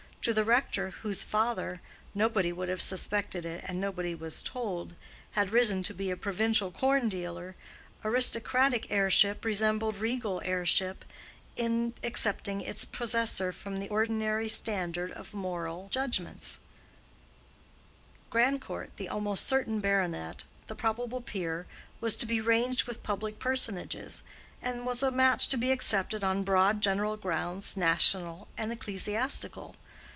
To the rector, whose father (nobody would have suspected it, and nobody was told) had risen to be a provincial corn dealer, aristocratic heirship resembled regal heirship in excepting its possessor from the ordinary standard of moral judgments, Grandcourt, the almost certain baronet, the probable peer, was to be ranged with public personages, and was a match to be accepted on broad general grounds national and ecclesiastical.